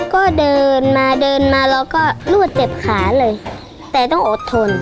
ก็เดินมาเดินมาเราก็รูดเจ็บขาเลยแต่ต้องอดทน